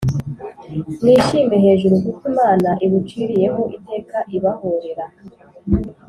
muwishime hejuru kuko Imana iwuciriye ho iteka ibahōrera!”